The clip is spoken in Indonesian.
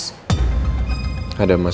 ada masalah yang sangat serius